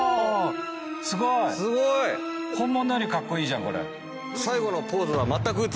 本物よりカッコイイじゃんこれ。